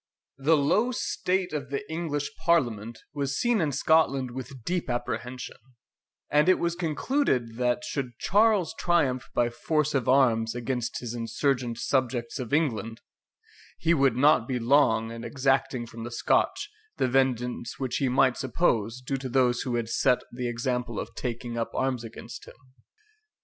The low state of the English Parliament was seen in Scotland with deep apprehension; and it was concluded, that should Charles triumph by force of arms against his insurgent subjects of England, he would not be long in exacting from the Scotch the vengeance which he might suppose due to those who had set the example of taking up arms against him.